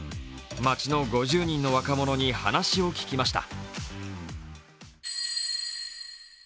街の５０人の若者に話を聞きました。